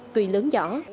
tùy lớn nhỏ